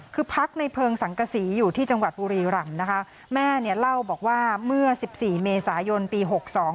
คือพักในเพลิงสังกษีอยู่ที่จังหวัดบุรีรำนะคะแม่เนี่ยเล่าบอกว่าเมื่อสิบสี่เมษายนปีหกสอง